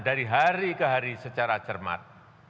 dari hari ke hari secara cermat